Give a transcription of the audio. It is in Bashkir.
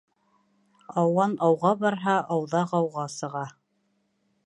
Ауан ауға барһа, ауҙа ғауға сыға.